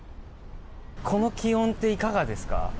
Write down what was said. この気温っていかがですか？